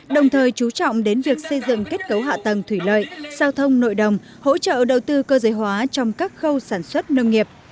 đồng thời chú trọng đến việc xây dựng kết cấu hạ tầng thủy lợi giao thông nội đồng hỗ trợ đầu tư cơ giới hóa trong các khâu sản xuất nông nghiệp